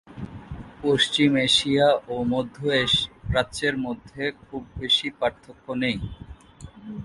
পশ্চিম Asia ও মধ্যপ্রাচ্যের মধ্যে খুব বেশি পার্থক্য নেই।